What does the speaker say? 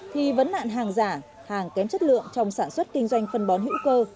thì vấn nạn hàng giả hàng kém chất lượng trong sản xuất kinh doanh phân bón hữu cơ